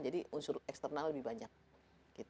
jadi unsur eksternal lebih banyak